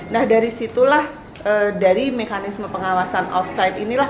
nah dari situlah dari mekanisme pengawasan offside inilah